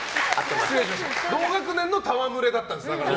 同学年のたわむれだったんです。